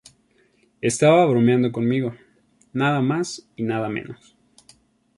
Estaba bromeando conmigo, nada más y nada menos.